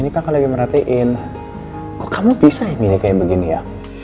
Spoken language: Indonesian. ini kakak lagi merhatiin kok kamu bisa ya milih kayak begini ya